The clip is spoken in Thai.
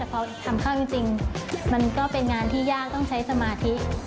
พอทำเข้าจริงมันก็เป็นงานที่ยากต้องใช้สมาธิ